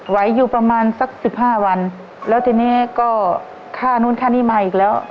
ไหวอยู่ประมาณสักสิบห้าวันแล้วทีนี้ก็ค่านู้นค่านี้มาอีกแล้ว